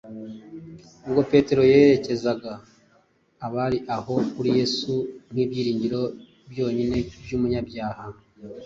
Ubwo Petero yerekezaga abari aho kuri Yesu nk’ibyiringiro byonyine by’umunyabyaha,